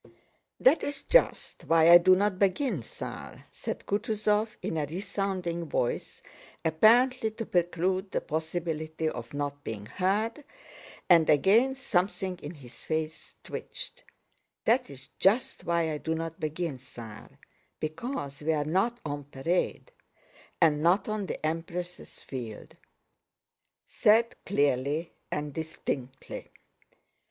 "That is just why I do not begin, sire," said Kutúzov in a resounding voice, apparently to preclude the possibility of not being heard, and again something in his face twitched—"That is just why I do not begin, sire, because we are not on parade and not on the Empress' Field," said he clearly and distinctly.